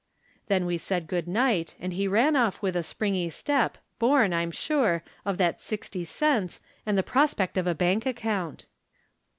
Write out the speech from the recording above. Tlien we said good nigbt, and he ran off with a springy step, born, I'm sure, of that sixty cents and the prospect of a bank account.